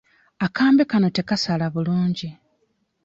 Akambe kano tekasala bulungi.